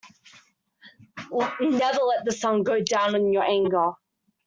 Never let the sun go down on your anger.